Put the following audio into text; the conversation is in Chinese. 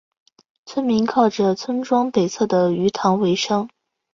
村民靠着村庄北侧的鱼塘维生。